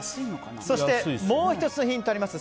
そして、もう１つのヒントあります。